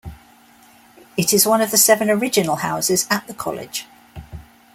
It is one of the seven original houses at the College.